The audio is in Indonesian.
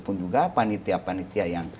pun juga panitia panitia yang